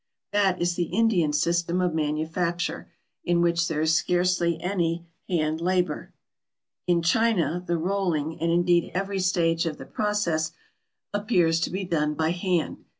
That is the Indian system of manufacture, in which there is scarcely any hand labour. In China the rolling, and indeed every stage of the process, appears to be done by hand.